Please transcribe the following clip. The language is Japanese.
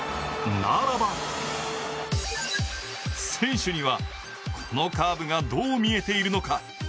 ならば選手には、このカーブがどう見えているのか。